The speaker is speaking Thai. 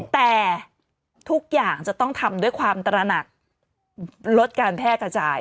แต่ทุกอย่างจะต้องทำด้วยความตระหนักลดการแพร่กระจาย